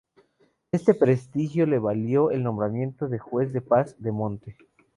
Este prestigio le valió el nombramiento de juez de paz de Monte.